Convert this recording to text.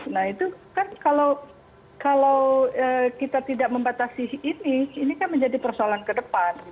nah itu kan kalau kita tidak membatasi ini ini kan menjadi persoalan ke depan